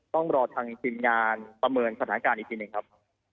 ต้องรอทางทีมงานประเมินสถานการณ์อีกทีหนึ่งครับ